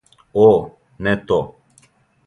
О, не то.